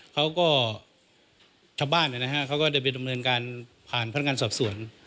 เขาก็จะเป็นดำเนินการผ่านพนักงานสอบสวน